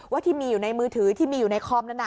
ว่าที่มีอยู่ในมือถือที่มีอยู่ในคอมนั้น